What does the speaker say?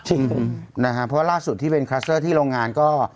จริงผมนะฮะเพราะว่าล่าสุดที่เป็นคลัสเตอร์ที่โรงงานก็